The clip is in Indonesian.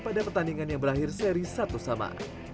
pada pertandingan yang berakhir seri satu sama